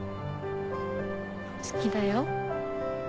好きだよ。